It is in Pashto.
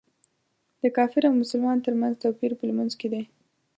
د کافر او مسلمان تر منځ توپیر په لمونځ کې دی.